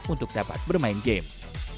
untuk dapat bermain game